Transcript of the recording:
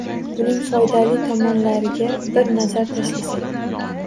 Buning foydali tomonlariga bir nazar tashlasak.